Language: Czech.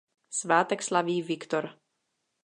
Svátek slaví Viktor.